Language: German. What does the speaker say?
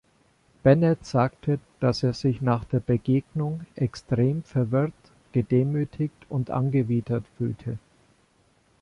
Bennett sagte, dass er sich nach der Begegnung „extrem verwirrt, gedemütigt und angewidert“ fühlte.